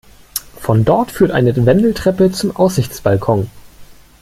Von dort führt eine Wendeltreppe zum Aussichtsbalkon.